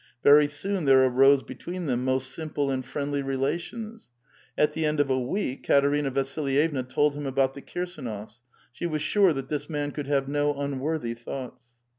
Very soon there arose between them most simple and friendly relations. At the end of a week Katerina Vasilyevna told him about the Kirsdnofs ; she was sure that this man could have no un worthy thoughts.